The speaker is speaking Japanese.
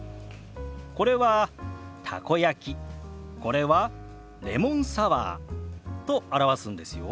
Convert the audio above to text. これは「たこ焼き」これは「レモンサワー」と表すんですよ。